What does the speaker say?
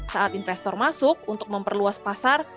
saat investor masuk untuk memperluas pasar